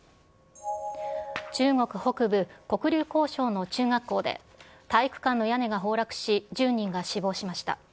中国北部、黒竜江省の中学校で、体育館の屋根が崩落し、１０人が死亡しました。